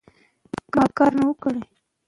کله چې ښځو ته د کار زمینه برابره شي، فقر نه زیاتېږي.